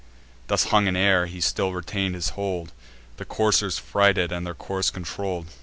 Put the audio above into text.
Thus hung in air, he still retain'd his hold, The coursers frighted, and their course controll'd.